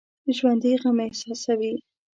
ژوندي غم احساسوي